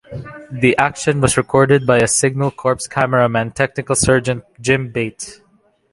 The action was recorded by a Signal Corps cameraman Technical Sergeant Jim Bates.